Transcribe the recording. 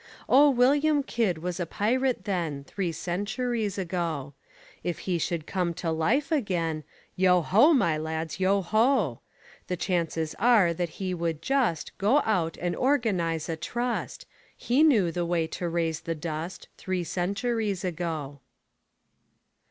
Oh, William Kidd was a pirate then, Three centuries ago. If he should come to life again Yo ho, my lads, yo ho! The chances are that he would just Go out and organize a trust He knew the way to raise the dust Three centuries ago.